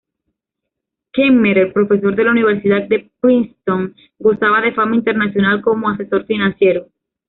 Kemmerer, profesor de la Universidad de Princeton, gozaba de fama internacional como asesor financiero.